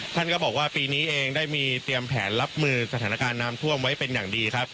ท่านก็บอกว่าปีนี้เองได้มีเตรียมแผนรับมือสถานการณ์น้ำท่วมไว้เป็นอย่างดีครับ